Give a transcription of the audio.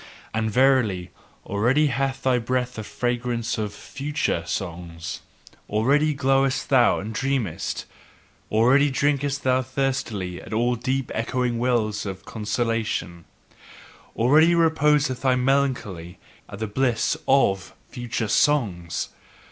And verily, already hath thy breath the fragrance of future songs, Already glowest thou and dreamest, already drinkest thou thirstily at all deep echoing wells of consolation, already reposeth thy melancholy in the bliss of future songs!